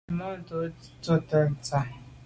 Nzwimàntô tsho’te ntsha.